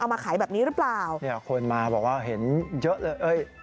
มาขายแบบนี้หรือเปล่าเนี่ยคนมาบอกว่าเห็นเยอะเลยเอ้ย